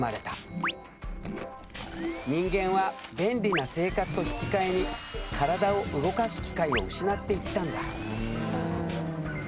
人間は便利な生活と引き換えに体を動かす機会を失っていったんだ。